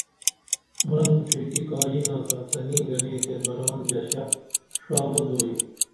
مرنگ پھرکی کا یینا تا تنی گنے تے بران ژشہ ڜا مہ دووئی